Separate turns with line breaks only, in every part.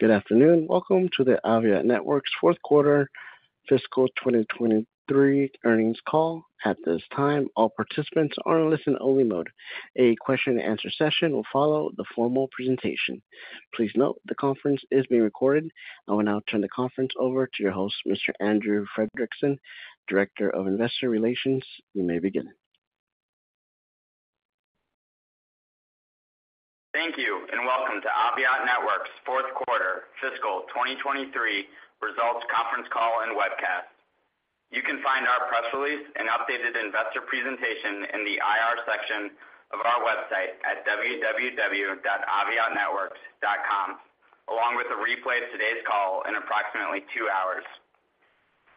Good afternoon. Welcome to the Aviat Networks fourth quarter fiscal 2023 earnings call. At this time, all participants are in listen-only mode. A question-and-answer session will follow the formal presentation. Please note, the conference is being recorded. I will now turn the conference over to your host, Mr. Andrew Fredrickson, Director of Investor Relations. You may begin.
Thank you, and welcome to Aviat Networks' fourth quarter fiscal 2023 results conference call and webcast. You can find our press release and updated investor presentation in the IR section of our website at www.aviatnetworks.com, along with a replay of today's call in approximately 2 hours.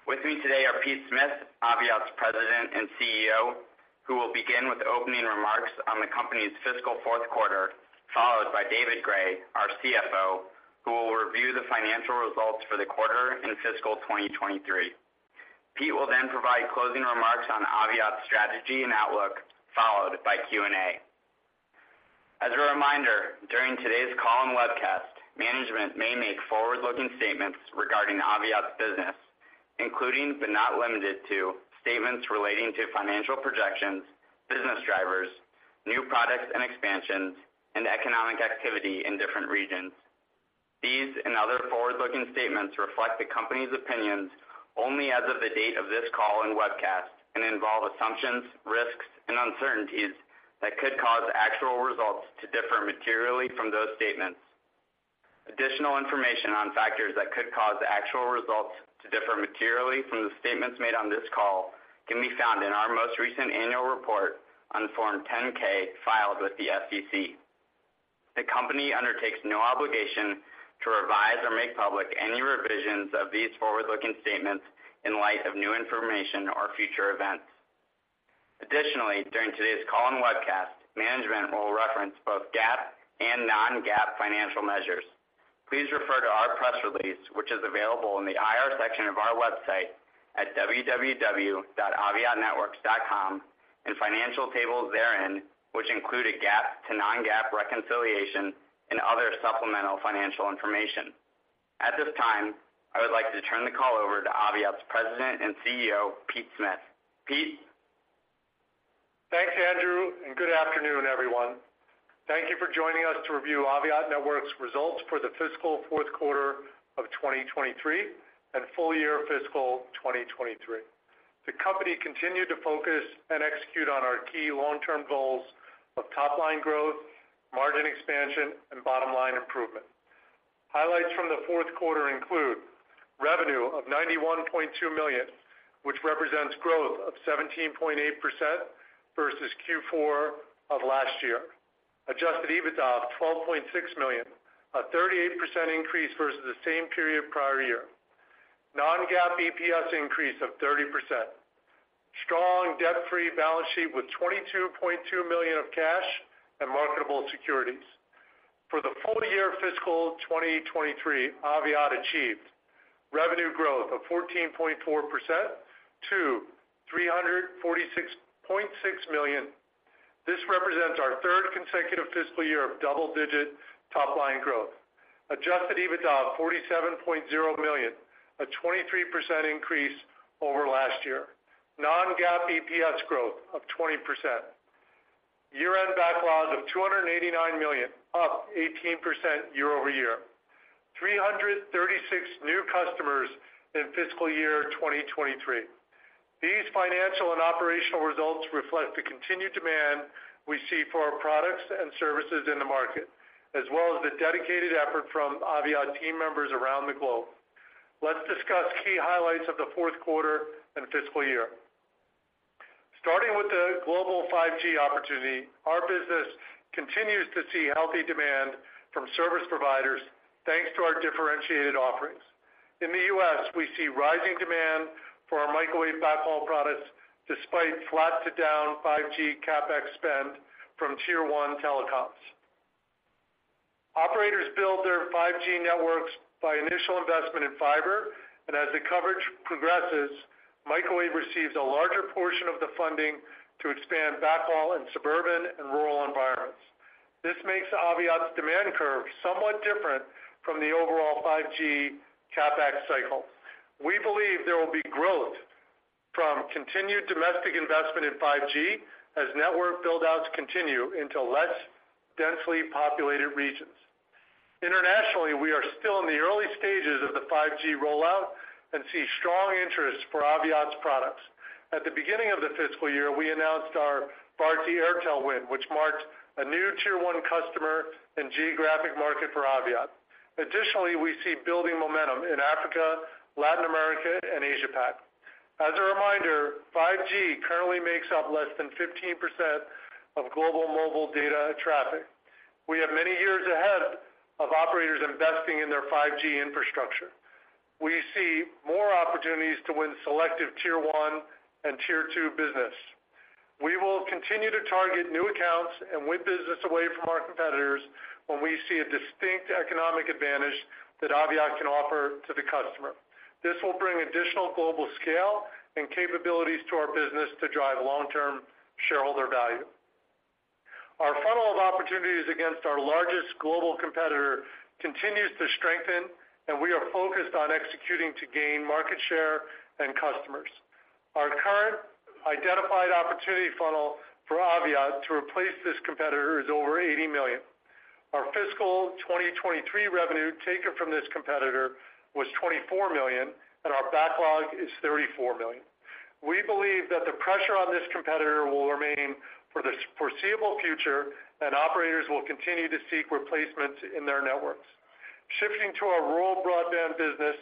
With me today are Peter Smith, Aviat's President and CEO, who will begin with opening remarks on the company's fiscal fourth quarter, followed by David Gray, our CFO, who will review the financial results for the quarter in fiscal 2023. Pete will provide closing remarks on Aviat's strategy and outlook, followed by Q&A. As a reminder, during today's call and webcast, management may make forward-looking statements regarding Aviat's business, including, but not limited to, statements relating to financial projections, business drivers, new products and expansions, and economic activity in different regions. These and other forward-looking statements reflect the company's opinions only as of the date of this call and webcast, and involve assumptions, risks, and uncertainties that could cause actual results to differ materially from those statements. Additional information on factors that could cause actual results to differ materially from the statements made on this call can be found in our most recent annual report on Form 10-K filed with the SEC. The company undertakes no obligation to revise or make public any revisions of these forward-looking statements in light of new information or future events. Additionally, during today's call and webcast, management will reference both GAAP and non-GAAP financial measures. Please refer to our press release, which is available in the IR section of our website at www.aviatnetworks.com, and financial tables therein, which include a GAAP to non-GAAP reconciliation and other supplemental financial information. At this time, I would like to turn the call over to Aviat's President and CEO, Peter Smith. Pete?
Thanks, Andrew, good afternoon, everyone. Thank you for joining us to review Aviat Networks' results for the fiscal fourth quarter of 2023 and full year fiscal 2023. The company continued to focus and execute on our key long-term goals of top line growth, margin expansion, and bottom line improvement. Highlights from the fourth quarter include revenue of $91.2 million, which represents growth of 17.8% versus Q4 of last year. Adjusted EBITDA of $12.6 million, a 38% increase versus the same period prior year. Non-GAAP EPS increase of 30%. Strong debt-free balance sheet with $22.2 million of cash and marketable securities. For the full year fiscal 2023, Aviat achieved revenue growth of 14.4% to $346.6 million. This represents our third consecutive fiscal year of double-digit top-line growth. Adjusted EBITDA of $47.0 million, a 23% increase over last year. Non-GAAP EPS growth of 20%. Year-end backlogs of $289 million, up 18% year-over-year. 336 new customers in fiscal year 2023. These financial and operational results reflect the continued demand we see for our products and services in the market, as well as the dedicated effort from Aviat team members around the globe. Let's discuss key highlights of the fourth quarter and fiscal year. Starting with the global 5G opportunity, our business continues to see healthy demand from service providers, thanks to our differentiated offerings. In the US, we see rising demand for our microwave backhaul products, despite flat to down 5G CapEx spend from tier one telecoms. Operators build their 5G networks by initial investment in fiber, and as the coverage progresses, microwave receives a larger portion of the funding to expand backhaul in suburban and rural environments. This makes Aviat's demand curve somewhat different from the overall 5G CapEx cycle. We believe there will be growth from continued domestic investment in 5G as network build-outs continue into less densely populated regions. Internationally, we are still in the early stages of the 5G rollout and see strong interest for Aviat's products. At the beginning of the fiscal year, we announced our Bharti Airtel win, which marked a new tier one customer and geographic market for Aviat. Additionally, we see building momentum in Africa, Latin America, and Asia Pac. As a reminder, 5G currently makes up less than 15% of global mobile data traffic. We have many years ahead of operators investing in their 5G infrastructure. We see more opportunities to win selective tier one and tier two business. We will continue to target new accounts and win business away from our competitors when we see a distinct economic advantage that Aviat can offer to the customer. This will bring additional global scale and capabilities to our business to drive long-term shareholder value. Our funnel of opportunities against our largest global competitor continues to strengthen, and we are focused on executing to gain market share and customers. Our current identified opportunity funnel for Aviat to replace this competitor is over $80 million. Our fiscal 2023 revenue taken from this competitor was $24 million, and our backlog is $34 million. We believe that the pressure on this competitor will remain for the foreseeable future, and operators will continue to seek replacements in their networks. Shifting to our rural broadband business,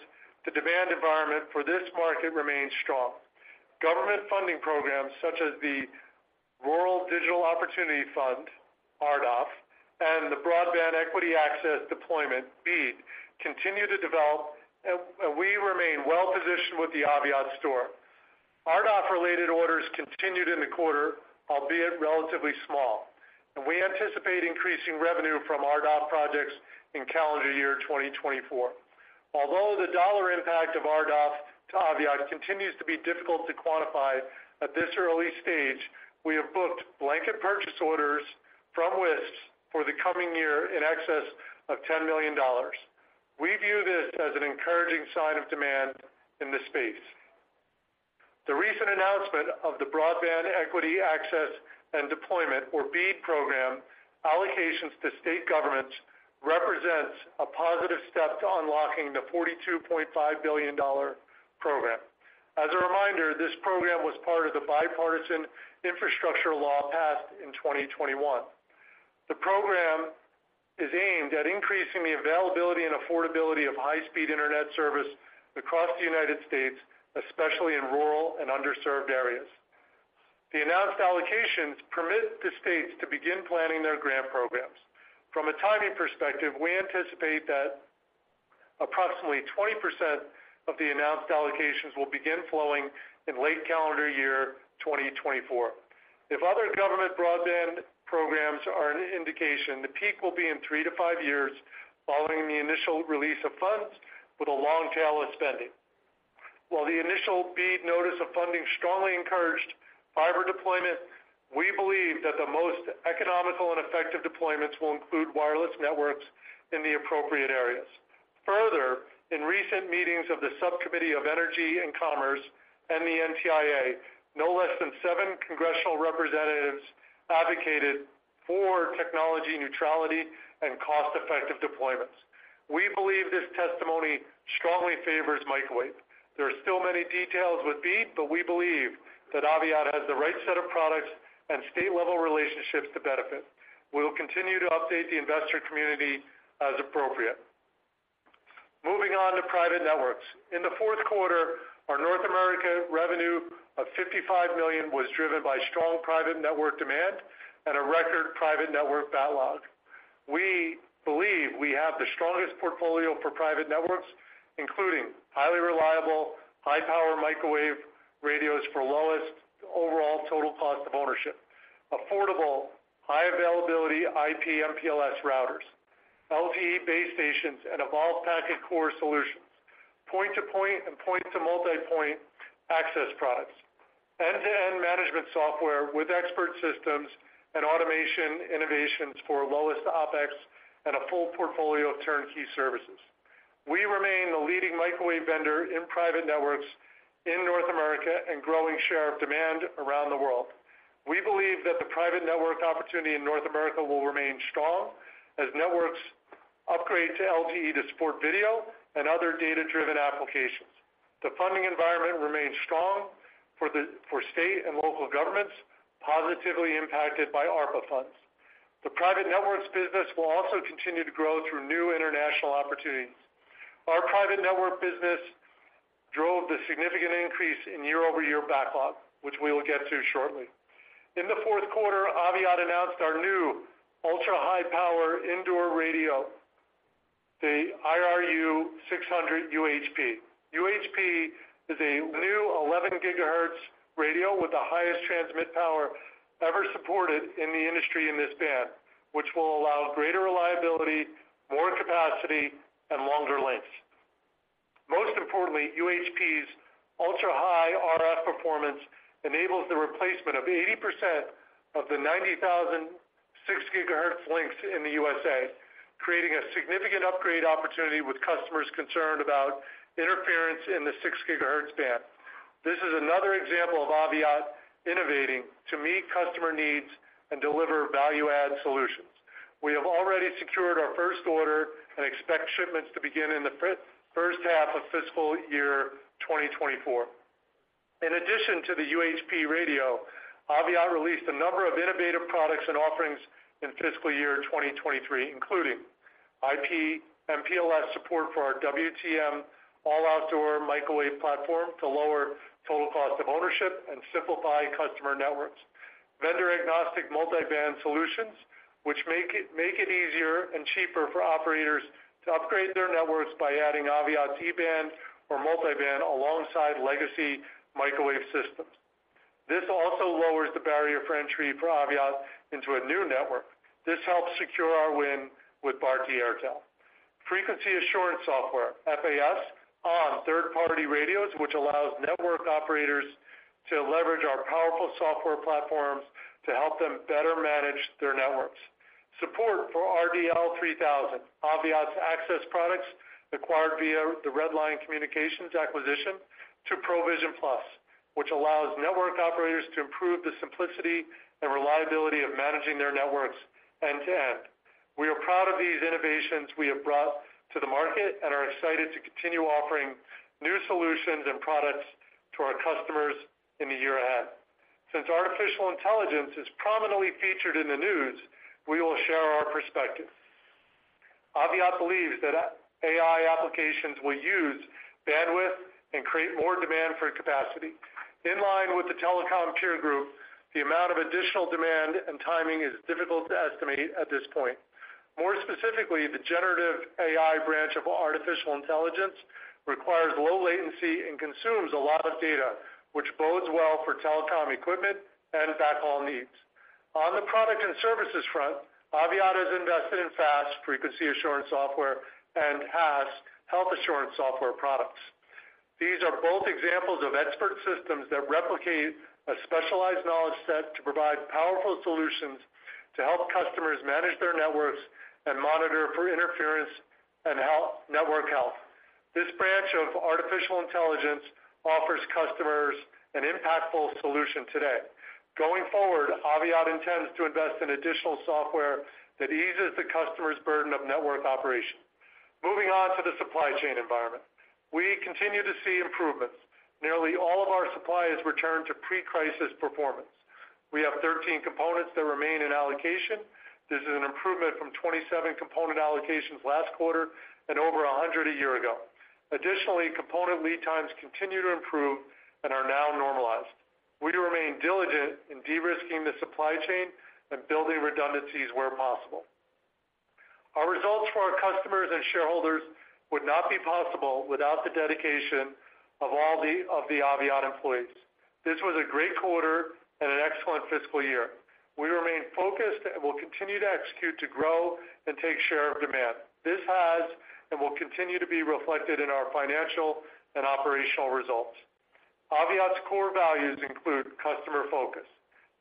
the demand environment for this market remains strong. Government funding programs such as the Rural Digital Opportunity Fund, RDOF, and the Broadband Equity, Access, and Deployment, BEAD, continue to develop, and we remain well positioned with the Aviat Store. RDOF-related orders continued in the quarter, albeit relatively small, and we anticipate increasing revenue from RDOF projects in calendar year 2024. Although the dollar impact of RDOF to Aviat continues to be difficult to quantify at this early stage, we have booked blanket purchase orders from WISPs for the coming year in excess of $10 million. We view this as an encouraging sign of demand in this space. The recent announcement of the Broadband Equity, Access, and Deployment, or BEAD program, allocations to state governments represents a positive step to unlocking the $42.5 billion program. As a reminder, this program was part of the Bipartisan Infrastructure Law passed in 2021. The program is aimed at increasing the availability and affordability of high-speed internet service across the United States, especially in rural and underserved areas. The announced allocations permit the states to begin planning their grant programs. From a timing perspective, we anticipate that approximately 20% of the announced allocations will begin flowing in late calendar year 2024. If other government broadband programs are an indication, the peak will be in 3-5 years following the initial release of funds with a long tail of spending. While the initial BEAD notice of funding strongly encouraged fiber deployment, we believe that the most economical and effective deployments will include wireless networks in the appropriate areas. In recent meetings of the Subcommittee on Communications and Technology and the NTIA, no less than seven congressional representatives advocated for technology neutrality and cost-effective deployments. We believe this testimony strongly favors microwave. There are still many details with BEAD, we believe that Aviat has the right set of products and state-level relationships to benefit. We will continue to update the investor community as appropriate. Moving on to private networks. In the fourth quarter, our North America revenue of $55 million was driven by strong private network demand and a record private network backlog. We believe we have the strongest portfolio for private networks, including highly reliable, high-power microwave radios for lowest overall total cost of ownership, affordable, high availability, IP/MPLS routers, LTE base stations, and Evolved Packet Core solutions, point-to-point and point-to-multipoint access products, end-to-end management software with expert systems and automation innovations for lowest OpEx, and a full portfolio of turnkey services. We remain the leading microwave vendor in private networks in North America and growing share of demand around the world. We believe that the private network opportunity in North America will remain strong as networks upgrade to LTE to support video and other data-driven applications. The funding environment remains strong for state and local governments, positively impacted by ARPA funds. The private networks business will also continue to grow through new international opportunities. Our private network business drove the significant increase in year-over-year backlog, which we will get to shortly. In the fourth quarter, Aviat announced our new ultra-high power indoor radio, the IRU 600 UHP. UHP is a new 11 gigahertz radio with the highest transmit power ever supported in the industry in this band, which will allow greater reliability, more capacity, and longer lengths. Most importantly, UHP's ultra-high RF performance enables the replacement of 80% of the 90,000 six gigahertz links in the USA, creating a significant upgrade opportunity with customers concerned about interference in the six gigahertz band. This is another example of Aviat innovating to meet customer needs and deliver value-add solutions. We have already secured our first order and expect shipments to begin in the first half of fiscal year 2024. In addition to the UHP radio, Aviat released a number of innovative products and offerings in fiscal year 2023, including IP/MPLS support for our WTM all-outdoor microwave platform to lower total cost of ownership and simplify customer networks. Vendor-agnostic multiband solutions, which make it easier and cheaper for operators to upgrade their networks by adding Aviat's E-band or multiband alongside legacy microwave systems. This also lowers the barrier for entry for Aviat into a new network. This helps secure our win with Bharti Airtel. Frequency Assurance Software, FAS, on third-party radios, which allows network operators to leverage our powerful software platforms to help them better manage their networks. Support for RDL 3000, Aviat's access products acquired via the Redline Communications acquisition to ProVision Plus, which allows network operators to improve the simplicity and reliability of managing their networks end-to-end. We are proud of these innovations we have brought to the market and are excited to continue offering new solutions and products to our customers in the year ahead. Since artificial intelligence is prominently featured in the news, we will share our perspective. Aviat believes that AI applications will use bandwidth and create more demand for capacity. In line with the telecom peer group, the amount of additional demand and timing is difficult to estimate at this point. More specifically, the generative AI branch of artificial intelligence requires low latency and consumes a lot of data, which bodes well for telecom equipment and backhaul needs. On the product and services front, Aviat has invested in FAS, Frequency Assurance Software, and HAS, Health Assurance Software products. These are both examples of expert systems that replicate a specialized knowledge set to provide powerful solutions to help customers manage their networks and monitor for interference and health, network health. This branch of artificial intelligence offers customers an impactful solution today. Going forward, Aviat intends to invest in additional software that eases the customer's burden of network operation. Moving on to the supply chain environment. We continue to see improvements. Nearly all of our supply has returned to pre-crisis performance. We have 13 components that remain in allocation. This is an improvement from 27 component allocations last quarter and over 100 a year ago. Additionally, component lead times continue to improve and are now normalized. We remain diligent in de-risking the supply chain and building redundancies where possible. Our results for our customers and shareholders would not be possible without the dedication of all the Aviat employees. This was a great quarter and an excellent fiscal year. We remain focused and will continue to execute to grow and take share of demand. This has and will continue to be reflected in our financial and operational results. Aviat's core values include customer focus.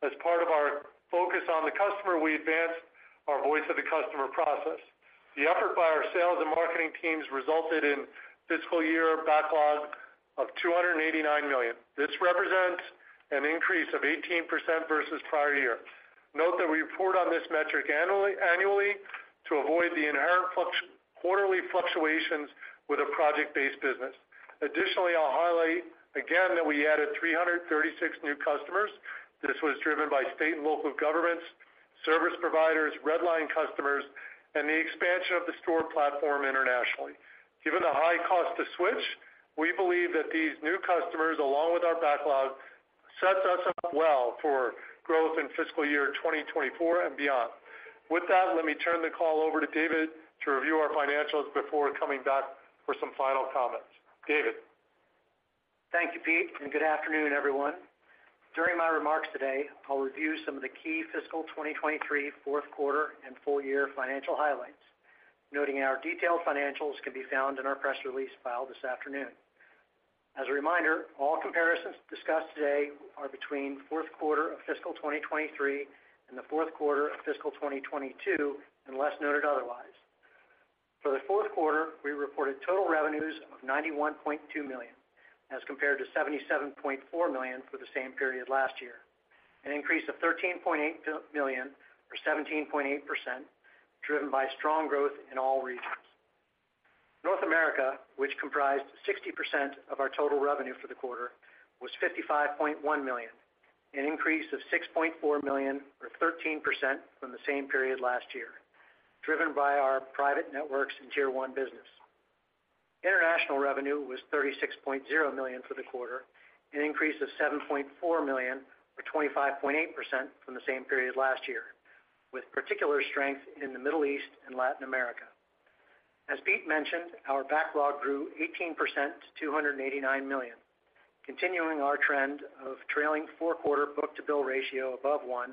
As part of our focus on the customer, we advanced our voice of the customer process. The effort by our sales and marketing teams resulted in fiscal year backlog of $289 million. This represents an increase of 18% versus prior year. Note that we report on this metric annually, annually to avoid the inherent flux, quarterly fluctuations with a project-based business. Additionally, I'll highlight again that we added 336 new customers. This was driven by state and local governments, service providers, Redline customers, and the expansion of the Store platform internationally. Given the high cost to switch, we believe that these new customers, along with our backlog, sets us up well for growth in fiscal year 2024 and beyond. With that, let me turn the call over to David to review our financials before coming back for some final comments. David?
Thank you, Pete. Good afternoon, everyone. During my remarks today, I'll review some of the key fiscal 2023 fourth quarter and full year financial highlights, noting our detailed financials can be found in our press release filed this afternoon. As a reminder, all comparisons discussed today are between fourth quarter of fiscal 2023 and the fourth quarter of fiscal 2022, unless noted otherwise. For the fourth quarter, we reported total revenues of $91.2 million, as compared to $77.4 million for the same period last year, an increase of $13.8 million, or 17.8%, driven by strong growth in all regions. North America, which comprised 60% of our total revenue for the quarter, was $55.1 million, an increase of $6.4 million, or 13% from the same period last year, driven by our private networks and Tier 1 business. International revenue was $36.0 million for the quarter, an increase of $7.4 million, or 25.8% from the same period last year, with particular strength in the Middle East and Latin America. As Pete mentioned, our backlog grew 18% to $289 million, continuing our trend of trailing 4-quarter book-to-bill ratio above 1,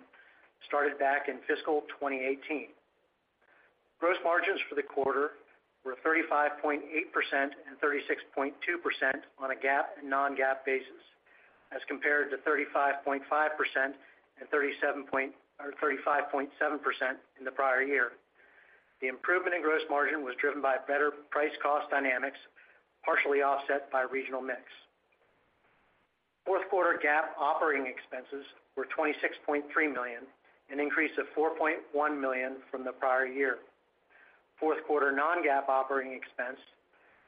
started back in fiscal 2018. Gross margins for the quarter were 35.8% and 36.2% on a GAAP and non-GAAP basis, as compared to 35.5% or 35.7% in the prior year. The improvement in gross margin was driven by better price cost dynamics, partially offset by regional mix. Fourth quarter GAAP operating expenses were $26.3 million, an increase of $4.1 million from the prior year. Fourth quarter non-GAAP operating expense,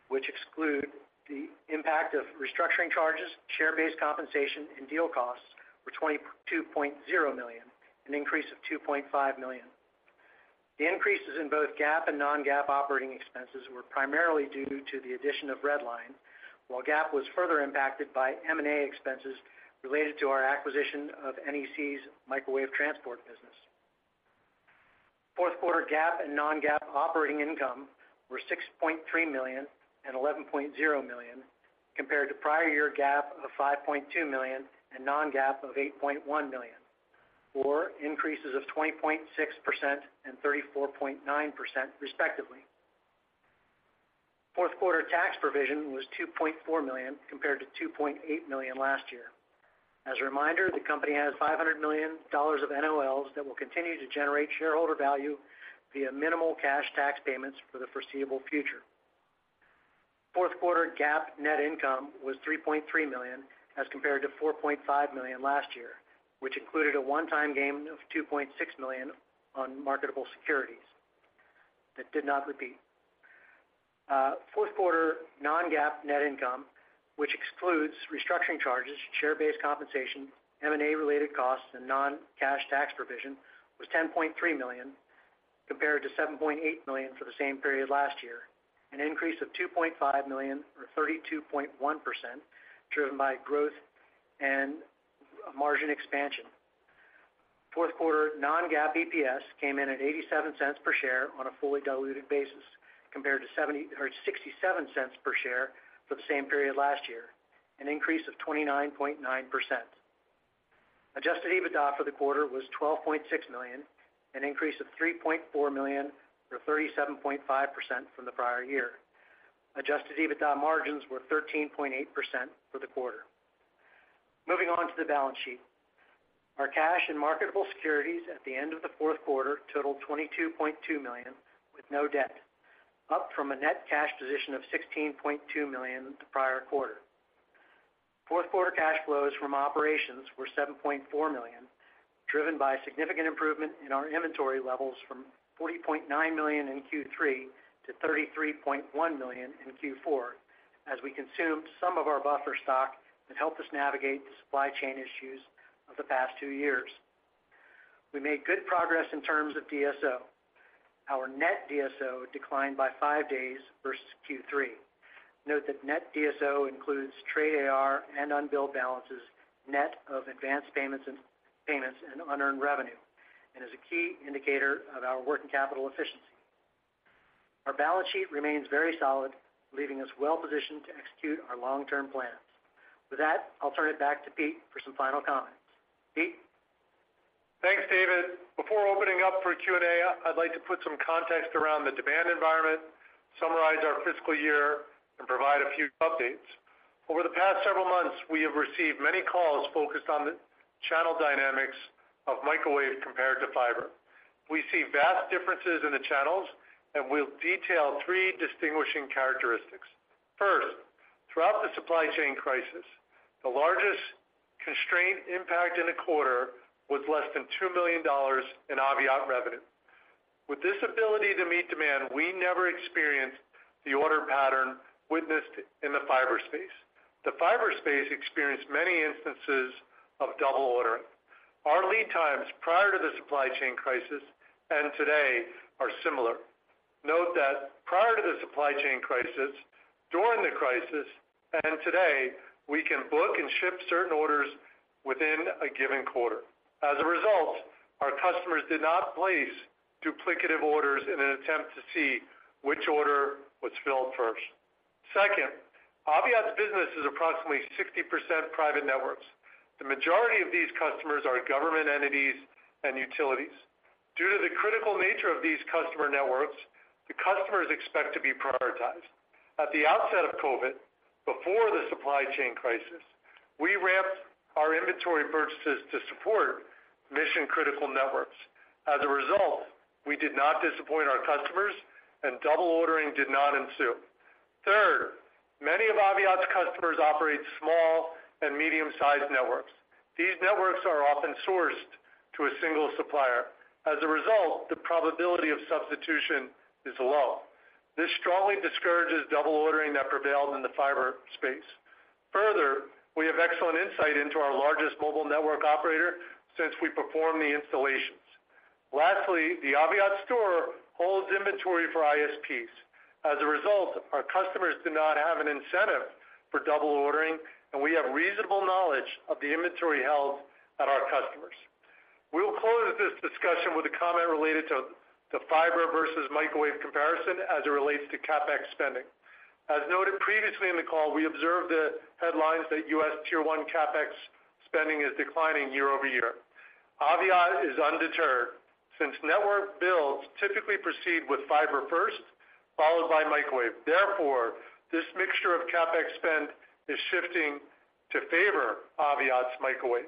which exclude the impact of restructuring charges, share-based compensation, and deal costs, were $22.0 million, an increase of $2.5 million. The increases in both GAAP and non-GAAP operating expenses were primarily due to the addition of Redline, while GAAP was further impacted by M&A expenses related to our acquisition of NEC's Wireless Transport Business. Fourth quarter GAAP and non-GAAP operating income were $6.3 million and $11.0 million, compared to prior year GAAP of $5.2 million and non-GAAP of $8.1 million, or increases of 20.6% and 34.9% respectively. Fourth quarter tax provision was $2.4 million, compared to $2.8 million last year. As a reminder, the company has $500 million of NOLs that will continue to generate shareholder value via minimal cash tax payments for the foreseeable future. Fourth quarter GAAP net income was $3.3 million, as compared to $4.5 million last year, which included a one-time gain of $2.6 million on marketable securities that did not repeat. Fourth quarter non-GAAP net income, which excludes restructuring charges, share-based compensation, M&A-related costs, and non-cash tax provision, was $10.3 million, compared to $7.8 million for the same period last year, an increase of $2.5 million, or 32.1%, driven by growth and margin expansion. Fourth quarter non-GAAP EPS came in at $0.87 per share on a fully diluted basis, compared to $0.67 per share for the same period last year, an increase of 29.9%. Adjusted EBITDA for the quarter was $12.6 million, an increase of $3.4 million, or 37.5% from the prior year. Adjusted EBITDA margins were 13.8% for the quarter. Moving on to the balance sheet. Our cash and marketable securities at the end of the fourth quarter totaled $22.2 million, with no debt, up from a net cash position of $16.2 million the prior quarter. Fourth quarter cash flows from operations were $7.4 million, driven by a significant improvement in our inventory levels from $40.9 million in Q3 to $33.1 million in Q4, as we consumed some of our buffer stock that helped us navigate the supply chain issues of the past 2 years. We made good progress in terms of DSO. Our net DSO declined by 5 days versus Q3. Note that net DSO includes trade AR and unbilled balances, net of advanced payments and unearned revenue, and is a key indicator of our working capital efficiency. Our balance sheet remains very solid, leaving us well positioned to execute our long-term plans. With that, I'll turn it back to Pete for some final comments. Pete?
Thanks, David. Before opening up for Q&A, I'd like to put some context around the demand environment, summarize our fiscal year, and provide a few updates. Over the past several months, we have received many calls focused on the channel dynamics of microwave compared to fiber. We see vast differences in the channels, and we'll detail three distinguishing characteristics. First, throughout the supply chain crisis, the largest constraint impact in a quarter was less than $2 million in Aviat revenue. With this ability to meet demand, we never experienced the order pattern witnessed in the fiber space. The fiber space experienced many instances of double ordering. Our lead times prior to the supply chain crisis and today are similar. Note that prior to the supply chain crisis, during the crisis, and today, we can book and ship certain orders within a given quarter. As a result, our customers did not place duplicative orders in an attempt to see which order was filled first. Second, Aviat's business is approximately 60% private networks. The majority of these customers are government entities and utilities. Due to the critical nature of these customer networks, the customers expect to be prioritized. At the outset of COVID, before the supply chain crisis, we ramped our inventory purchases to support mission-critical networks. As a result, we did not disappoint our customers and double ordering did not ensue. Third, many of Aviat's customers operate small and medium-sized networks. These networks are often sourced to a single supplier. As a result, the probability of substitution is low. This strongly discourages double ordering that prevailed in the fiber space. Further, we have excellent insight into our largest mobile network operator since we perform the installations. Lastly, the Aviat Store holds inventory for ISPs. As a result, our customers do not have an incentive for double ordering, and we have reasonable knowledge of the inventory held at our customers. We will close this discussion with a comment related to the fiber versus microwave comparison as it relates to CapEx spending. As noted previously in the call, we observed the headlines that US Tier one CapEx spending is declining year-over-year. Aviat is undeterred since network builds typically proceed with fiber first, followed by microwave. Therefore, this mixture of CapEx spend is shifting to favor Aviat's microwave.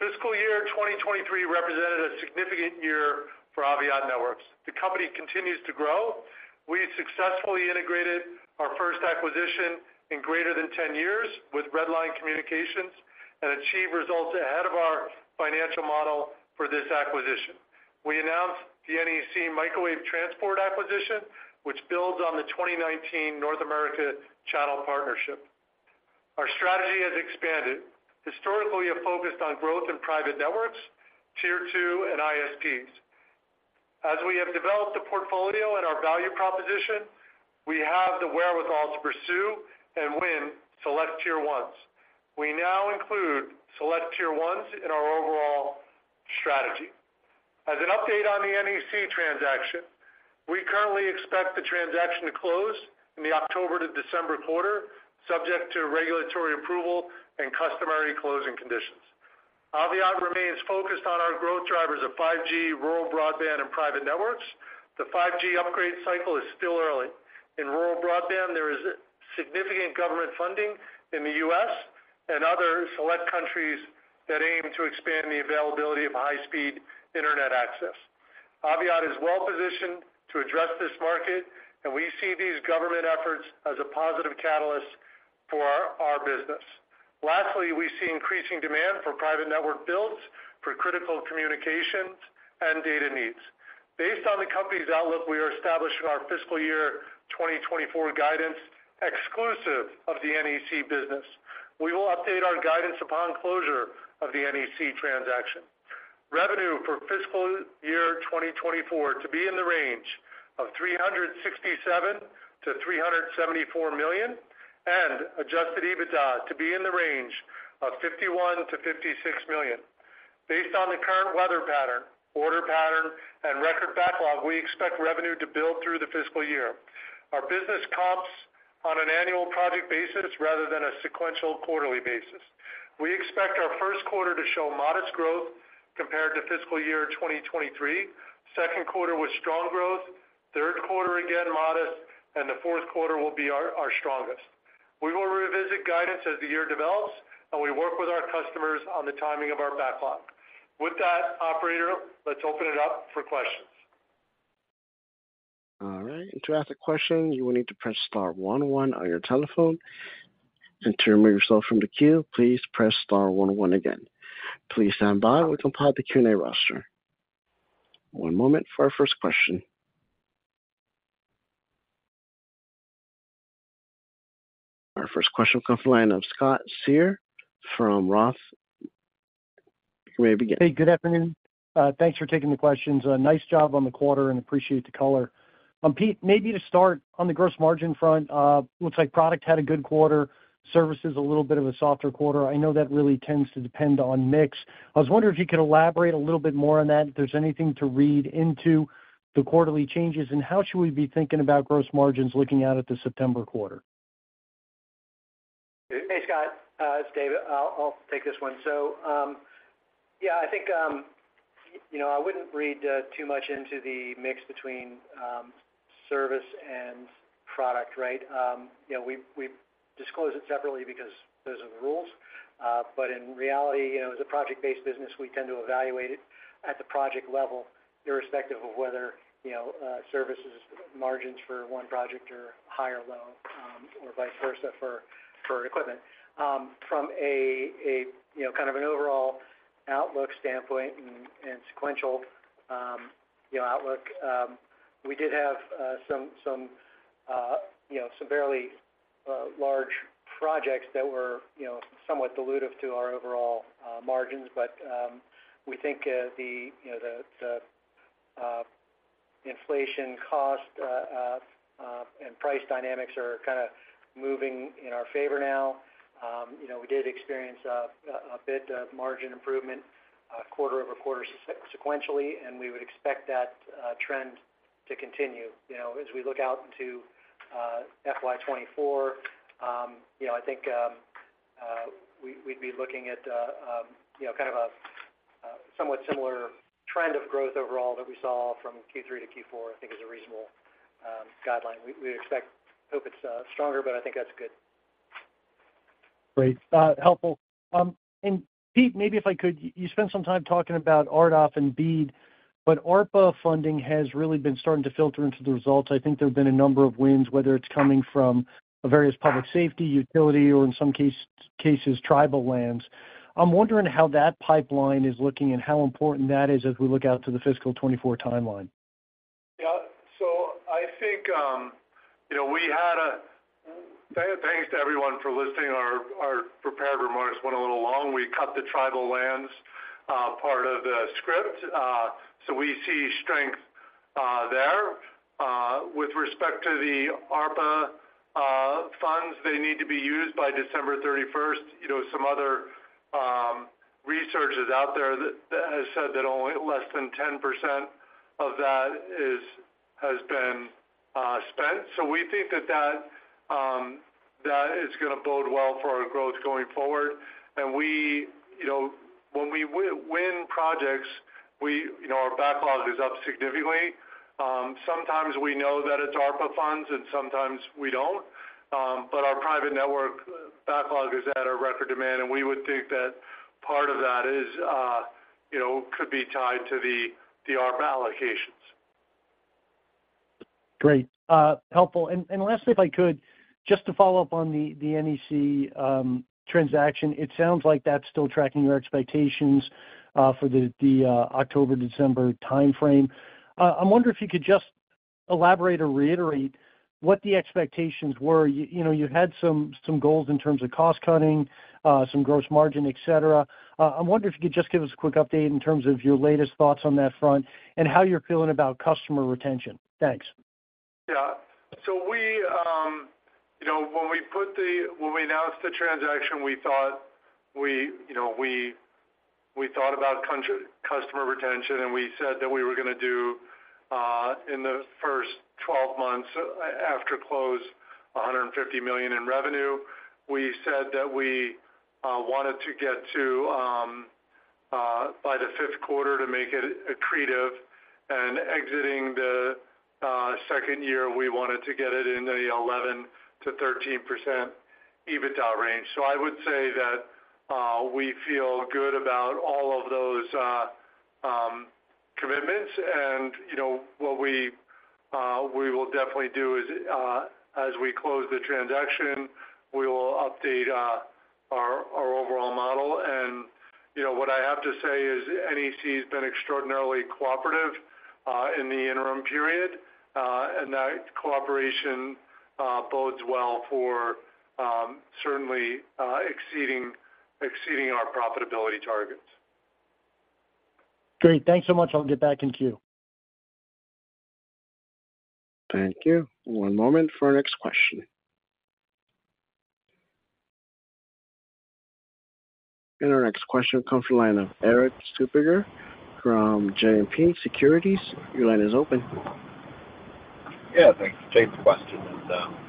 Fiscal year 2023 represented a significant year for Aviat Networks. The company continues to grow. We successfully integrated our first acquisition in greater than 10 years with Redline Communications and achieved results ahead of our financial model for this acquisition. We announced the NEC Microwave Transport acquisition, which builds on the 2019 North America Channel Partnership. Our strategy has expanded. Historically, we have focused on growth in private networks, Tier 2, and ISPs. As we have developed a portfolio and our value proposition, we have the wherewithal to pursue and win select Tier 1s. We now include select Tier 1s in our overall strategy. As an update on the NEC transaction, we currently expect the transaction to close in the October to December quarter, subject to regulatory approval and customary closing conditions. Aviat remains focused on our growth drivers of 5G, rural broadband, and private networks. The 5G upgrade cycle is still early. In rural broadband, there is significant government funding in the US and other select countries that aim to expand the availability of high-speed internet access. Aviat is well positioned to address this market, and we see these government efforts as a positive catalyst for our business. Lastly, we see increasing demand for private network builds for critical communications and data needs. Based on the company's outlook, we are establishing our fiscal year 2024 guidance, exclusive of the NEC business. We will update our guidance upon closure of the NEC transaction. Revenue for fiscal year 2024 to be in the range of $367 million-$374 million, and adjusted EBITDA to be in the range of $51 million-$56 million. Based on the current weather pattern, order pattern, and record backlog, we expect revenue to build through the fiscal year. Our business comps on an annual project basis rather than a sequential quarterly basis. We expect our first quarter to show modest growth compared to fiscal year 2023, second quarter with strong growth, third quarter, again, modest, and the fourth quarter will be our strongest. We will revisit guidance as the year develops, and we work with our customers on the timing of our backlog. With that, operator, let's open it up for questions.
All right. To ask a question, you will need to press star 1 on your telephone. To remove yourself from the queue, please press star 11 again. Please stand by. We compile the Q&A roster. One moment for our first question. Our first question will come from the line of Scott Searle from Roth. You may begin.
Hey, good afternoon. Thanks for taking the questions. Nice job on the quarter and appreciate the color. Pete, maybe to start on the gross margin front, looks like product had a good quarter, services, a little bit of a softer quarter. I know that really tends to depend on mix. I was wondering if you could elaborate a little bit more on that, if there's anything to read into the quarterly changes, and how should we be thinking about gross margins looking out at the September quarter?
Hey, Scott, it's Dave. I'll, I'll take this one. Yeah, I think, you know, I wouldn't read too much into the mix between service and product, right? You know, we, we disclose it separately because those are the rules. In reality, you know, as a project-based business, we tend to evaluate it at the project level, irrespective of whether, you know, services margins for one project are high or low, or vice versa, for, for equipment. From a, you know, kind of an overall outlook standpoint and, and sequential, you know, outlook, we did have, you know, some fairly large projects that were, you know, somewhat dilutive to our overall margins. We think, you know, the, the, inflation cost and price dynamics are kind of moving in our favor now. You know, we did experience a bit of margin improvement quarter-over-quarter sequentially, and we would expect that trend to continue. You know, as we look out into FY24, you know, I think, we, we'd be looking at, you know, kind of a somewhat similar trend of growth overall that we saw from Q3 to Q4, I think is a reasonable guideline. We, we expect- hope it's stronger, but I think that's good.
Great, helpful. Pete, maybe if I could, you spent some time talking about RDOF and BEAD, but ARPA funding has really been starting to filter into the results. I think there have been a number of wins, whether it's coming from various public safety, utility, or in some cases, tribal lands. I'm wondering how that pipeline is looking and how important that is as we look out to the fiscal 2024 timeline.
Yeah. I think, you know, we had thanks to everyone for listening. Our, our prepared remarks went a little long. We cut the tribal lands part of the script. We see strength there. With respect to the ARPA funds, they need to be used by December 31st. You know, some other research out there that, that has said that only less than 10% of that is, has been spent. We think that, that, that is gonna bode well for our growth going forward. We, you know, when we win projects, we, you know, our backlog is up significantly. Sometimes we know that it's ARPA funds and sometimes we don't. Our private network backlog is at a record demand, and we would think that part of that is, you know, could be tied to the, the ARPA allocations.
Great, helpful. Lastly, if I could, just to follow up on the NEC transaction, it sounds like that's still tracking your expectations for the October, December timeframe. I'm wondering if you could just elaborate or reiterate what the expectations were. You know, you had some goals in terms of cost cutting, some gross margin, et cetera. I'm wondering if you could just give us a quick update in terms of your latest thoughts on that front and how you're feeling about customer retention. Thanks.
Yeah. We-- When we put the-- when we announced the transaction, we thought we, you know, we, we thought about country- customer retention, and we said that we were gonna do in the first 12 months after close, $150 million in revenue. We said that we wanted to get to by the fifth quarter to make it accretive. Exiting the second year, we wanted to get it in the 11%-13% EBITDA range. I would say that we feel good about all of those commitments. You know, what we will definitely do is as we close the transaction, we will update our, our overall model. You know, what I have to say is NEC has been extraordinarily cooperative in the interim period, and that cooperation bodes well for certainly exceeding, exceeding our profitability targets.
Great. Thanks so much. I'll get back in queue.
Thank you. One moment for our next question. Our next question comes from the line of Erik Suppiger from JMP Securities. Your line is open.
Yeah, thanks. Same question and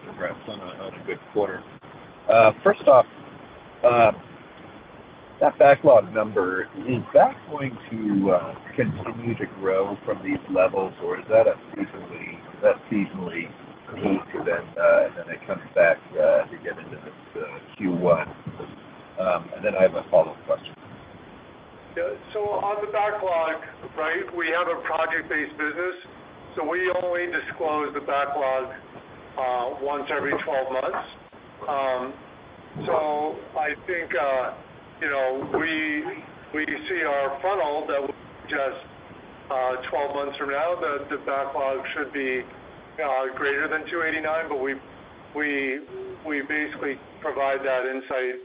congrats on a good quarter. First off, that backlog number, is that going to continue to grow from these levels, or is that seasonally driven, and then it comes back to get into the Q1? Then I have a follow-up question.
Yeah. On the backlog, right, we have a project-based business, so we only disclose the backlog once every 12 months. I think, you know, we, we see our funnel that just 12 months from now, the, the backlog should be greater than $289, but we, we, we basically provide that insight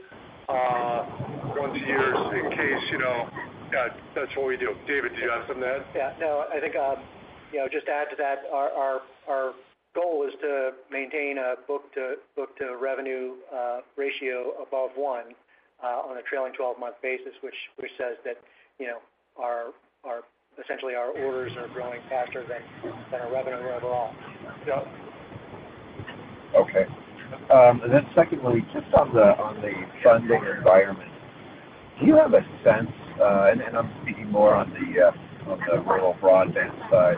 once a year in case, you know. Yeah, that's what we do. David, do you have something to add?
Yeah. No, I think, you know, just add to that, our, our, our goal is to maintain a book-to-bill to revenue ratio above 1 on a trailing 12-month basis, which, which says that, you know, our, our-- essentially, our orders are growing faster than, than our revenue overall.
Yeah.
Okay. Secondly, just on the funding environment, do you have a sense, I'm thinking more on the rural broadband side,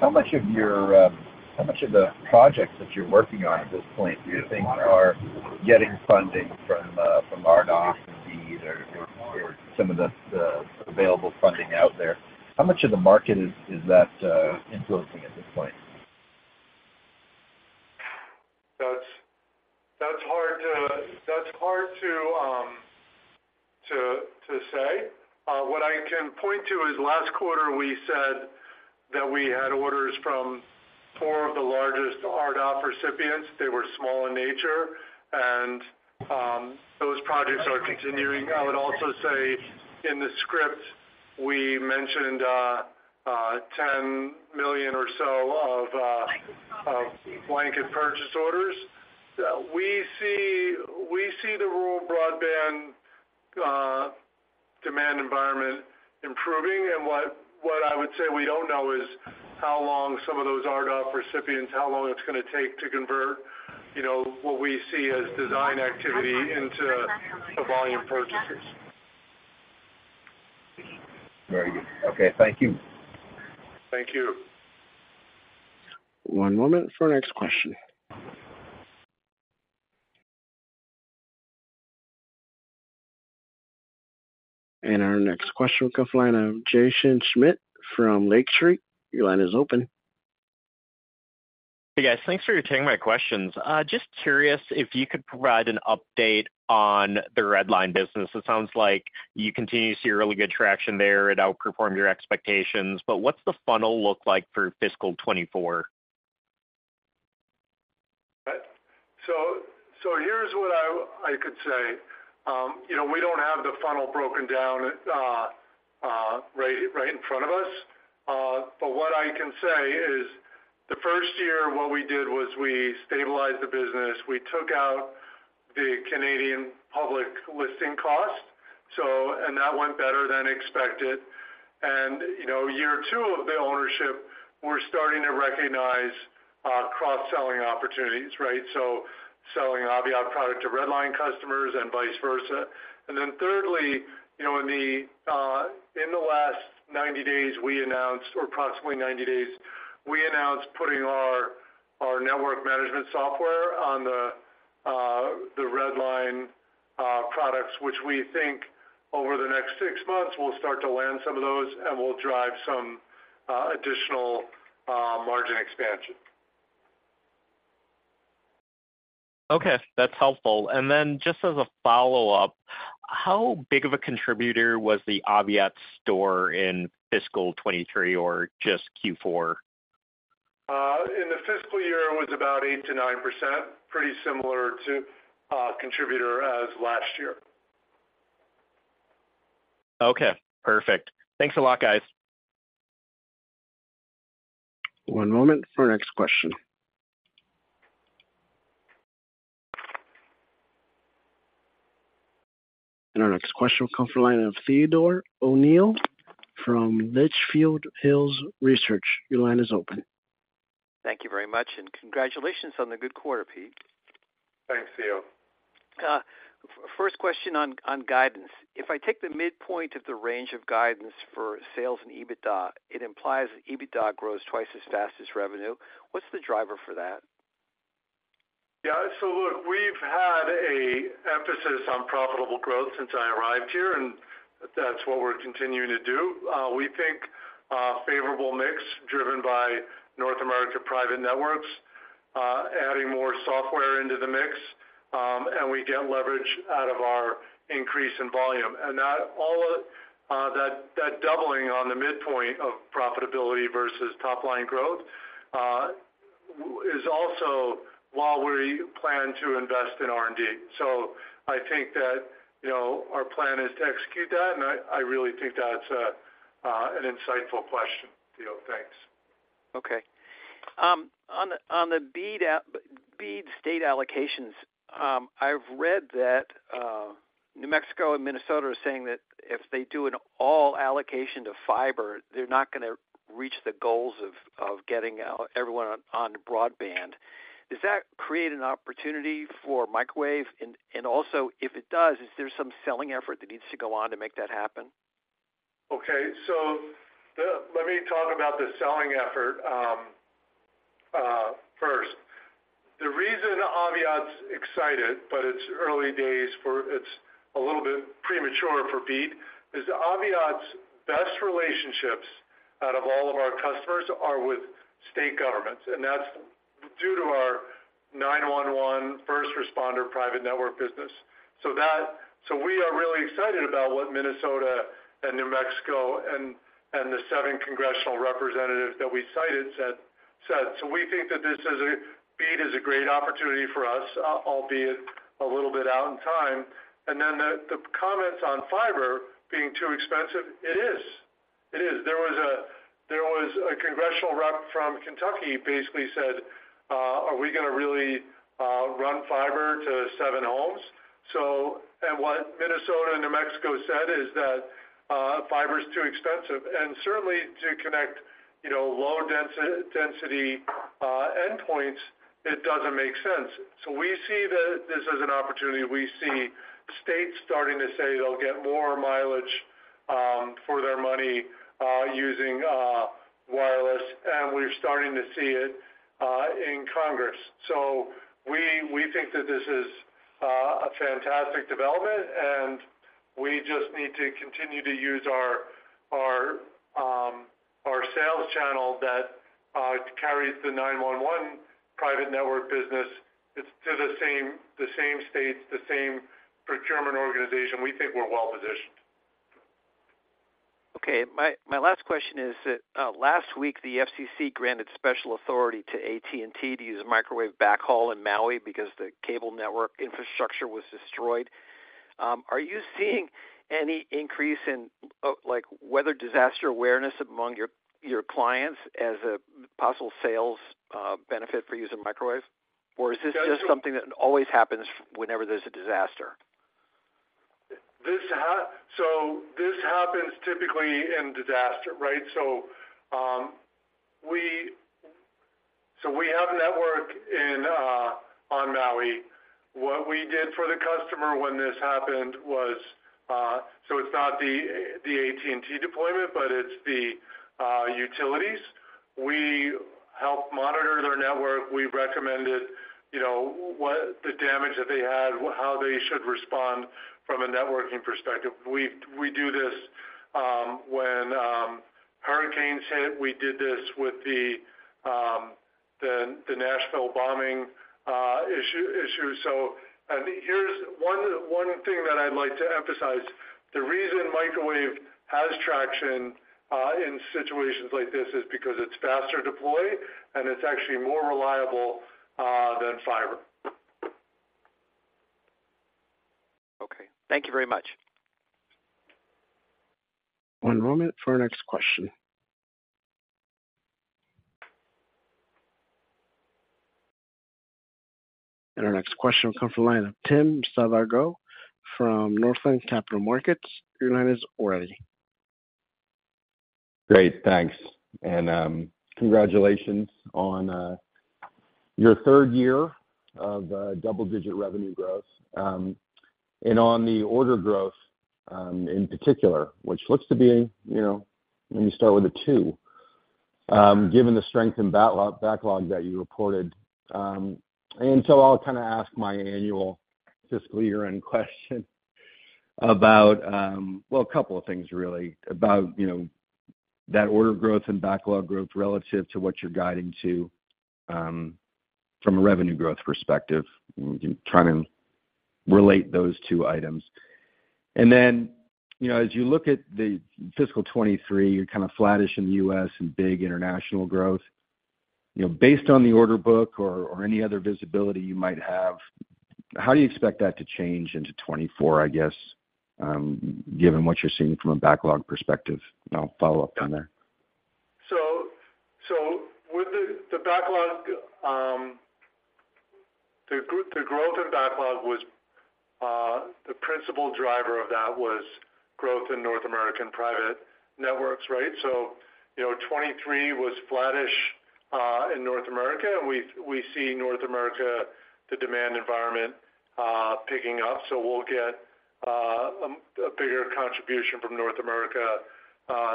how much of your, how much of the projects that you're working on at this point do you think are getting funding from RDOF or some of the available funding out there? How much of the market is that influencing at this point?
That's, that's hard to, that's hard to, to, to say. What I can point to is last quarter we said that we had orders from four of the largest RDOF recipients. They were small in nature, and those projects are continuing. I would also say in the script, we mentioned $10 million or so of blanket purchase orders. We see, we see the rural broadband demand environment improving. What, what I would say we don't know is how long some of those RDOF recipients, how long it's gonna take to convert, you know, what we see as design activity into the volume purchases.
Very good. Okay. Thank you.
Thank you.
One moment for our next question. Our next question comes line of Jaeson Schmidt from Lake Street. Your line is open.
Hey, guys. Thanks for taking my questions. Just curious if you could provide an update on the Redline business. It sounds like you continue to see really good traction there. It outperformed your expectations, but what's the funnel look like for fiscal 2024?
So here's what I, I could say. You know, we don't have the funnel broken down, right, right in front of us. What I can say is the first year, what we did was we stabilized the business. We took out the Canadian public listing cost, so, that went better than expected. You know, year two of the ownership, we're starting to recognize cross-selling opportunities, right? Selling Aviat product to Redline customers and vice versa. Thirdly, you know, in the, in the last 90 days, we announced, or approximately 90 days, we announced putting our, our network management software on the, the Redline products, which we think over the next 6 months, we'll start to land some of those, and we'll drive some additional margin expansion.
Okay, that's helpful. Then just as a follow-up, how big of a contributor was the Aviat Store in fiscal 2023 or just Q4?
In the fiscal year, it was about 8%-9%, pretty similar to contributor as last year.
Okay, perfect. Thanks a lot, guys.
One moment for our next question. Our next question will come from the line of Theodore O'Neill from Litchfield Hills Research. Your line is open.
Thank you very much, congratulations on the good quarter, Pete.
Thanks, Theo.
First question on guidance. If I take the midpoint of the range of guidance for sales and EBITDA, it implies that EBITDA grows twice as fast as revenue. What's the driver for that?
Yeah, look, we've had an emphasis on profitable growth since I arrived here, and that's what we're continuing to do. We think favorable mix driven by North America private networks, adding more software into the mix, and we get leverage out of our increase in volume. That all of that, that doubling on the midpoint of profitability versus top line growth is also while we plan to invest in R&D. I think that, you know, our plan is to execute that, and I, I really think that's an insightful question, Theo. Thanks.
Okay. On the BEAD state allocations, I've read that New Mexico and Minnesota are saying that if they do an all allocation to fiber, they're not gonna reach the goals of getting everyone on broadband. Does that create an opportunity for microwave? Also, if it does, is there some selling effort that needs to go on to make that happen?
Okay. Let me talk about the selling effort first. The reason Aviat's excited, but it's early days for, it's a little bit premature for BEAD, is Aviat's best relationships out of all of our customers are with state governments, and that's due to our 911 first responder private network business. We are really excited about what Minnesota and New Mexico and the seven congressional representatives that we cited said, said. We think that this is a, BEAD is a great opportunity for us, albeit a little bit out in time. The comments on fiber being too expensive, it is. It is. There was a congressional rep from Kentucky basically said, "Are we gonna really run fiber to seven homes?" What Minnesota and New Mexico said is that fiber's too expensive, and certainly to connect, you know, low density endpoints, it doesn't make sense. We see this as an opportunity. We see states starting to say they'll get more mileage for their money using wireless, and we're starting to see it in Congress. We think that this is a fantastic development, and we just need to continue to use our sales channel that carries the nine one one private network business. It's to the same states, the same procurement organization. We think we're well positioned.
Okay. My, my last question is that, last week, the FCC granted special authority to AT&T to use a microwave backhaul in Maui because the cable network infrastructure was destroyed. Are you seeing any increase in, like, weather disaster awareness among your, your clients as a possible sales, benefit for using microwave?
Yeah, so-
Is this just something that always happens whenever there's a disaster?
This so this happens typically in disaster, right? We have network in on Maui. What we did for the customer when this happened was, so it's not the, the AT&T deployment, but it's the utilities. We helped monitor their network. We recommended, you know, what the damage that they had, how they should respond from a networking perspective. We've, we do this when hurricanes hit. We did this with the, the Nashville bombing, issue, issue. Here's one, one thing that I'd like to emphasize. The reason microwave has traction in situations like this is because it's faster deploy, and it's actually more reliable than fiber.
Okay, thank you very much.
One moment for our next question. Our next question will come from the line of Tim Savageaux from Northland Capital Markets. Your line is ready.
Great, thanks. Congratulations on your third year of double-digit revenue growth and on the order growth in particular, which looks to be, you know, let me start with a 2, given the strength in backlog that you reported. I'll kind of ask my annual fiscal year-end question about, well, a couple of things really. About, you know, that order growth and backlog growth relative to what you're guiding to from a revenue growth perspective, trying to relate those two items. You know, as you look at the fiscal 2023, you're kind of flattish in the US and big international growth. You know, based on the order book or, or any other visibility you might have, how do you expect that to change into 2024, I guess, given what you're seeing from a backlog perspective? I'll follow up down there.
So with the, the backlog, the growth in backlog was the principal driver of that was growth in North American private networks, right? You know, 2023 was flattish in North America, and we see North America, the demand environment, picking up. We'll get a bigger contribution from North America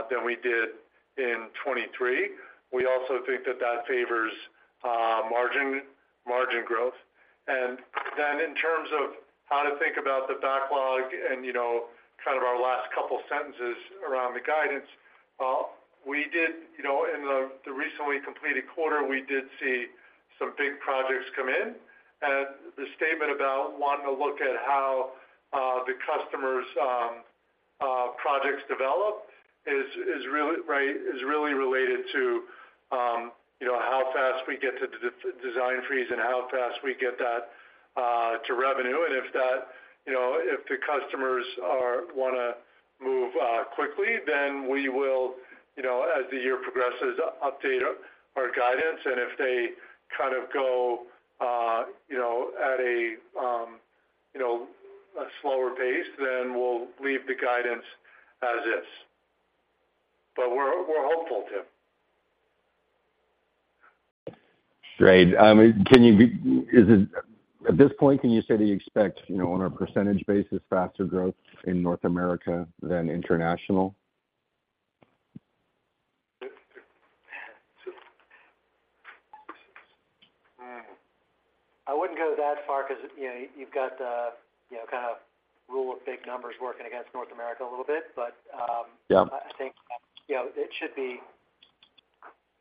than we did in 2023. We also think that that favors margin, margin growth. In terms of how to think about the backlog and, you know, kind of our last couple sentences around the guidance, we did, you know, in the, the recently completed quarter, we did see some big projects come in. The statement about wanting to look at how the customer's projects develop is really, right, is really related to, you know, how fast we get to the design freeze and how fast we get that to revenue. If that, you know, if the customers wanna move quickly, then we will, you know, as the year progresses, update our guidance. If they kind of go, you know, at a, you know, a slower pace, then we'll leave the guidance as is. We're hopeful, Tim.
Great. Can you at this point, can you say that you expect, you know, on a % basis, faster growth in North America than international?
Hmm. I wouldn't go that far because, you know, you've got, you know, kind of rule of big numbers working against North America a little bit, but.
Yeah
I think, you know, it should be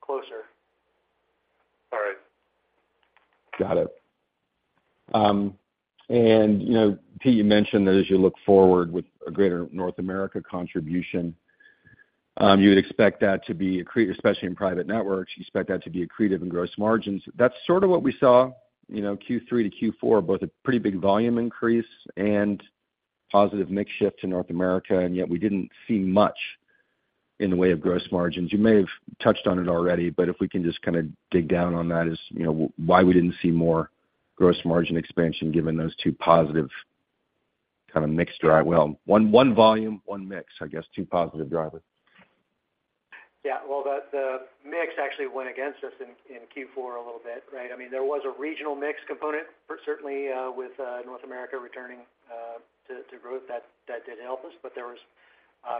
closer.
All right.
Got it. You know, Pete, you mentioned that as you look forward with a greater North America contribution, you would expect that to be especially in private networks, you expect that to be accretive in gross margins. That's sort of what we saw, you know, Q3 to Q4, both a pretty big volume increase and positive mix shift to North America, and yet we didn't see much in the way of gross margins. You may have touched on it already, but if we can just kind of dig down on that, is, you know, why we didn't see more gross margin expansion, given those two positive kind of mix drive? Well, one, one volume, one mix, I guess, two positive drivers.
Yeah, well, the, the mix actually went against us in, in Q4 a little bit, right? I mean, there was a regional mix component, but certainly, with North America returning to growth, that, that did help us. There was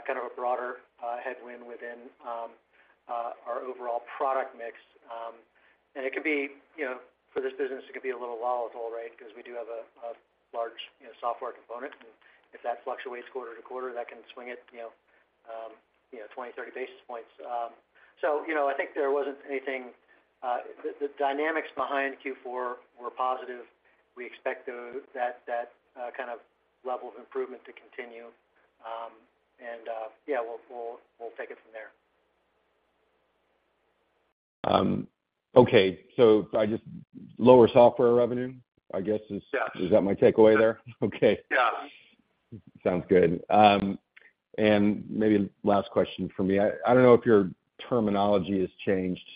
kind of a broader headwind within our overall product mix. It could be, you know, for this business, it could be a little volatile, right? Because we do have a large, you know, software component, and if that fluctuates quarter to quarter, that can swing it, you know, 20, 30 basis points. You know, I think there wasn't anything. The dynamics behind Q4 were positive. We expect those, that, that kind of level of improvement to continue. Yeah, we'll, we'll, we'll take it from there.
Okay, lower software revenue, I guess.
Yeah.
Is that my takeaway there? Okay.
Yeah.
Sounds good. Maybe last question for me. I, I don't know if your terminology has changed,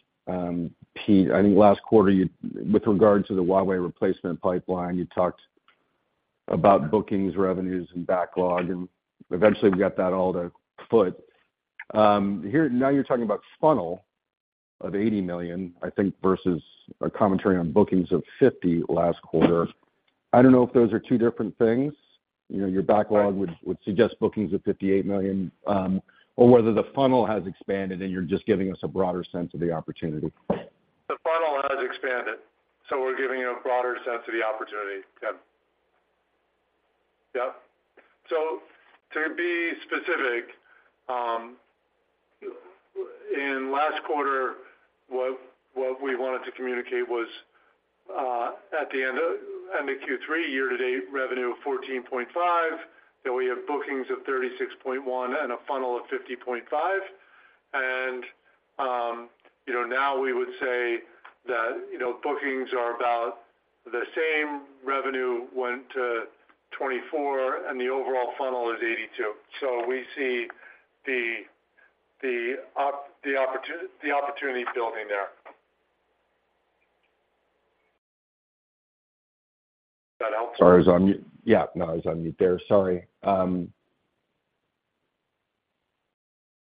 Pete. I think last quarter, you, with regards to the Huawei replacement pipeline, you talked about bookings, revenues, and backlog, and eventually we got that all to foot. Here, now you're talking about funnel of $80 million, I think, versus a commentary on bookings of $50 last quarter. I don't know if those are two different things. You know, your backlog would
Right...
would suggest bookings of $58 million, or whether the funnel has expanded, and you're just giving us a broader sense of the opportunity.
The funnel has expanded, so we're giving you a broader sense of the opportunity, Tim. Yep. To be specific, in last quarter, we wanted to communicate was, at the end of Q3, year-to-date revenue of $14.5, that we have bookings of $36.1 and a funnel of $50.5. You know, now we would say that, you know, bookings are about the same, revenue went to $24, and the overall funnel is $82. We see the opportunity building there. Does that help?
Sorry, I was on mute. Yeah, no, I was on mute there. Sorry.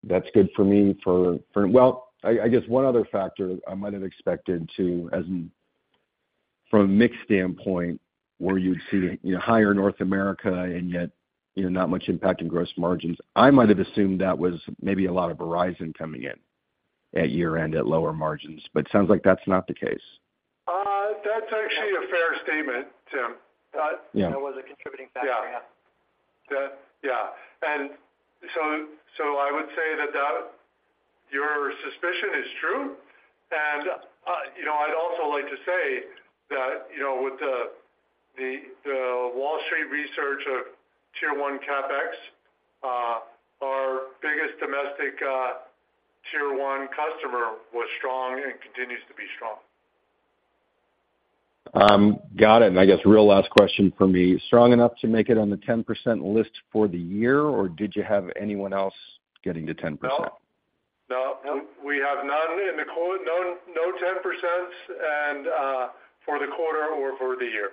That's good for me for. Well, I guess one other factor I might have expected, too, as from a mix standpoint, where you'd see, you know, higher North America and yet, you know, not much impact in gross margins. I might have assumed that was maybe a lot of Verizon coming in at year-end at lower margins, but it sounds like that's not the case.
That's actually a fair statement, Tim.
Uh-
Yeah.
That was a contributing factor, yeah.
That yeah. So, I would say that your suspicion is true. You know, I'd also like to say that, you know, with the Wall Street research of tier one CapEx, this domestic tier one customer was strong and continues to be strong.
Got it. I guess real last question for me, strong enough to make it on the 10% list for the year, or did you have anyone else getting to 10%?
No. No, we have none in the none, no 10% and for the quarter or for the year.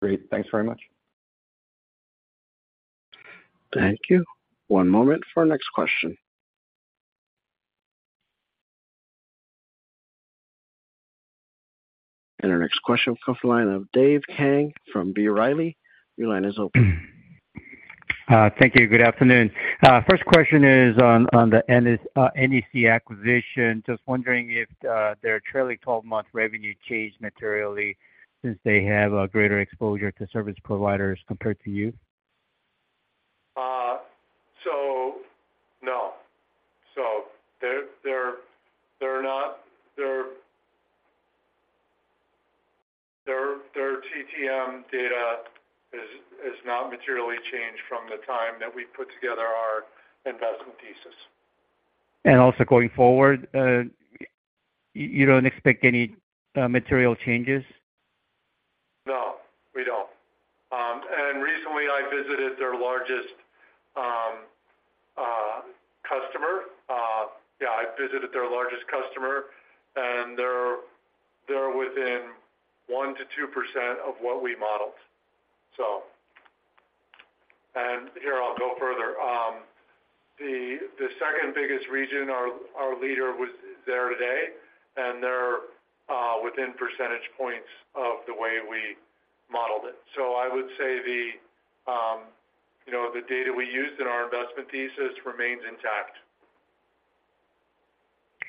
Great. Thanks very much.
Thank you. One moment for our next question. Our next question comes from the line of Dave Kang from B. Riley. Your line is open.
Thank you. Good afternoon. First question is on, on the NEC acquisition. Just wondering if, their trailing 12-month revenue changed materially since they have a greater exposure to service providers compared to you?
no. They're not. Their TTM data is not materially changed from the time that we put together our investment thesis.
Also going forward, you don't expect any material changes?
No, we don't. Recently I visited their largest customer. Yeah, I visited their largest customer, and they're within 1%-2% of what we modeled. Here I'll go further. The second biggest region, our leader was there today, and they're within percentage points of the way we modeled it. I would say the, you know, the data we used in our investment thesis remains intact.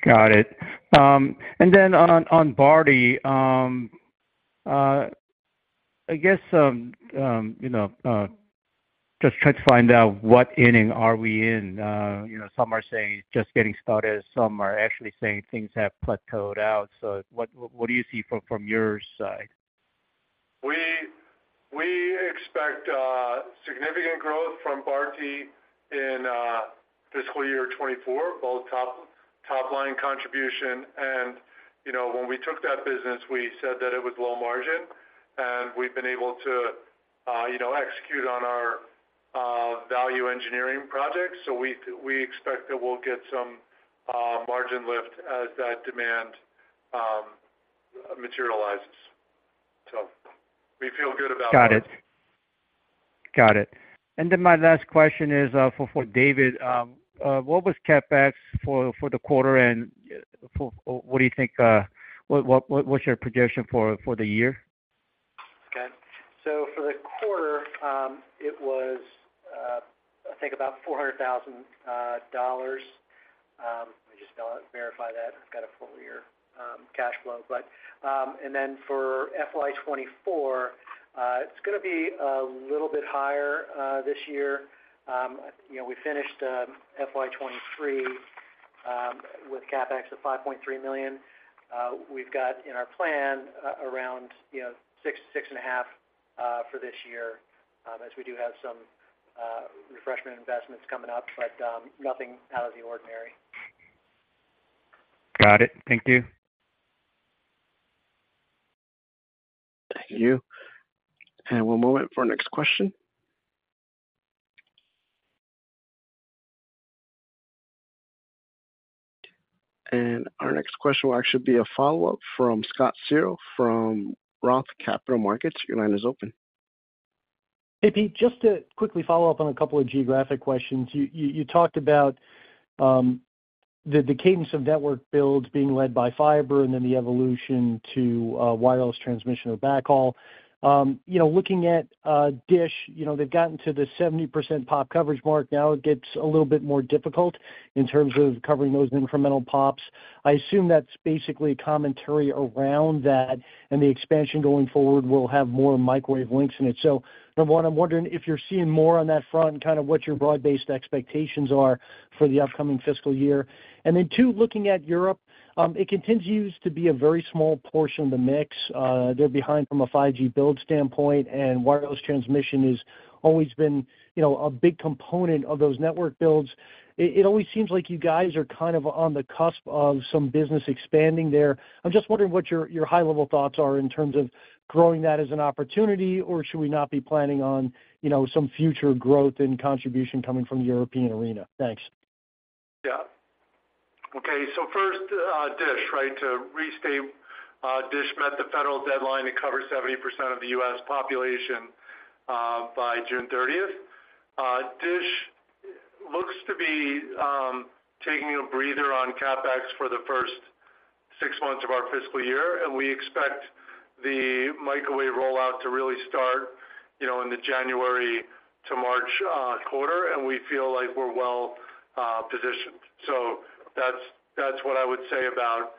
Got it. And then on, on Bharti Airtel, I guess, you know, just trying to find out what inning are we in? You know, some are saying just getting started, some are actually saying things have plateaued out. What, what do you see from, from your side?
We, we expect significant growth from Bharti in fiscal year 2024, both top, top-line contribution. You know, when we took that business, we said that it was low margin, and we've been able to, you know, execute on our value engineering projects. We, we expect that we'll get some margin lift as that demand materializes. We feel good about it.
Got it. Got it. My last question is for David. What was CapEx for the quarter, and what do you think, what's your projection for the year?
Okay. For the quarter, it was, I think about $400,000. Let me just verify that. I've got a full year cash flow. For FY24, it's gonna be a little bit higher this year. You know, we finished FY23 with CapEx of $5.3 million. We've got in our plan around, you know, $6 million-$6.5 million for this year, as we do have some refreshment investments coming up, but nothing out of the ordinary.
Got it. Thank you.
Thank you. One moment for our next question. Our next question will actually be a follow-up from Scott Searle from Roth Capital Partners. Your line is open.
Hey, Pete, just to quickly follow up on a couple of geographic questions. You talked about the cadence of network builds being led by fiber and then the evolution to wireless transmission or backhaul. You know, looking at Dish, you know, they've gotten to the 70% POP coverage mark. Now it gets a little bit more difficult in terms of covering those incremental POPs. I assume that's basically commentary around that, and the expansion going forward will have more microwave links in it. 1. I'm wondering if you're seeing more on that front and kind of what your broad-based expectations are for the upcoming fiscal year. 2. Looking at Europe, it continues to be a very small portion of the mix. They're behind from a 5G build standpoint, and wireless transmission has always been, you know, a big component of those network builds. It, it always seems like you guys are kind of on the cusp of some business expanding there. I'm just wondering what your, your high-level thoughts are in terms of growing that as an opportunity, or should we not be planning on, you know, some future growth and contribution coming from the European arena? Thanks.
Yeah. Okay, first, Dish, right? To restate, Dish met the federal deadline to cover 70% of the US population by June 30th. Dish looks to be taking a breather on CapEx for the first 6 months of our fiscal year, and we expect the microwave rollout to really start, you know, in the January to March quarter, and we feel like we're well positioned. That's, that's what I would say about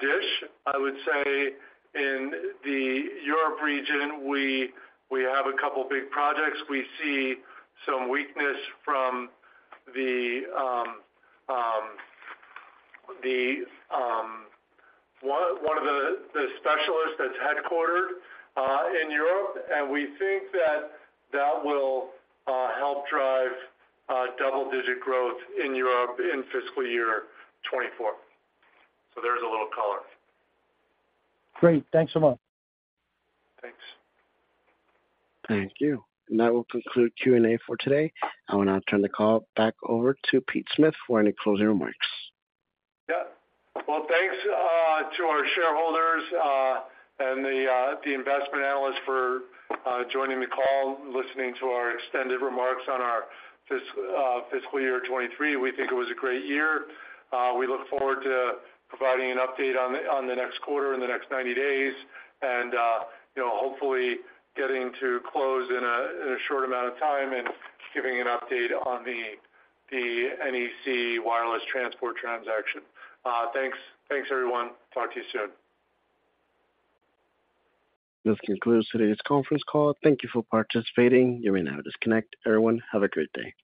Dish. I would say in the Europe region, we, we have 2 big projects. We see some weakness from the one of the specialists that's headquartered in Europe, and we think that that will help drive double-digit growth in Europe in fiscal year 2024. There's a little color.
Great. Thanks so much.
Thanks.
Thank you. That will conclude Q&A for today. I will now turn the call back over to Peter Smith for any closing remarks.
Yeah. Well, thanks to our shareholders and the investment analysts for joining the call, listening to our extended remarks on our fiscal year 2023. We think it was a great year. We look forward to providing an update on the next quarter, in the next 90 days, and, you know, hopefully getting to close in a short amount of time and giving an update on the NEC Wireless Transport Business transaction. Thanks. Thanks, everyone. Talk to you soon.
This concludes today's conference call. Thank you for participating. You may now disconnect. Everyone, have a great day.